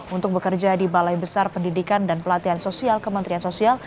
untuk bekerja di balai besar pendidikan dan pelatihan sosial kementerian sosial